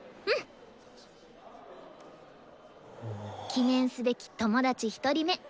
記念すべき友達１人目！